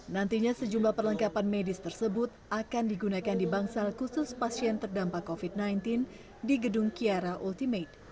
nantinya sejumlah perlengkapan medis tersebut akan digunakan di bangsal khusus pasien terdampak covid sembilan belas di gedung kiara ultimate